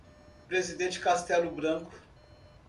Presidente Castello Branco